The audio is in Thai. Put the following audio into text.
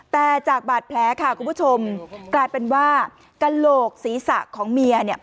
แต่จากบาดแผลค่ะคุณผู้ชมกลายเป็นว่ากระโหลกศีรษะของเมียเนี่ย